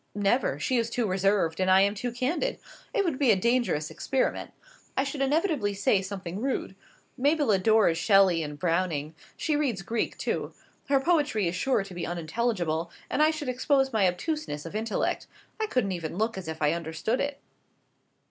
"Never. She is too reserved, and I am too candid. It would be a dangerous experiment. I should inevitably say something rude. Mabel adores Shelley and Browning; she reads Greek, too. Her poetry is sure to be unintelligible, and I should expose my obtuseness of intellect. I couldn't even look as if I understood it."